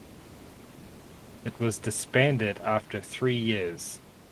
It was disbanded after three years.